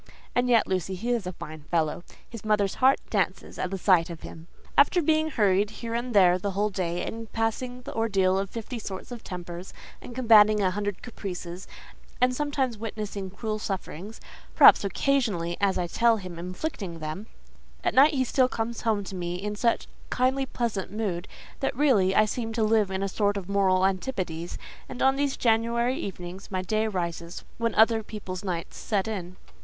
And yet, Lucy, he is a fine fellow: his mother's heart dances at the sight of him. After being hurried here and there the whole day, and passing the ordeal of fifty sorts of tempers, and combating a hundred caprices, and sometimes witnessing cruel sufferings—perhaps, occasionally, as I tell him, inflicting them—at night he still comes home to me in such kindly, pleasant mood, that really, I seem to live in a sort of moral antipodes, and on these January evenings my day rises when other people's night sets in.